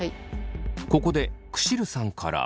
ここでクシルさんから。